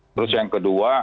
terus yang kedua